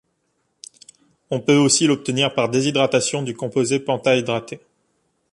On peut aussi l'obtenir par déshydratation du composé pentahydraté.